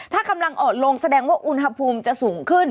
ถ้ากำลังอ่อนลงแสดงว่าอุณหภูมิจะสูงขึ้น